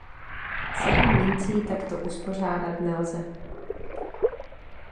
Sedm mincí takto uspořádat nelze.